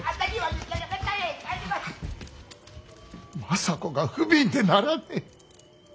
政子が不憫でならねえ。